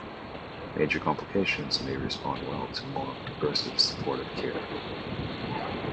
Major complications may respond well to more aggressive supportive care.